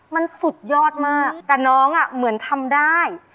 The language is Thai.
มันสุดยอดมากแต่น้องเหมือนทำได้